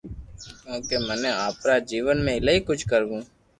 ڪونڪھ مني آپرا جيون ۾ ايلائي ڪجھ ڪروو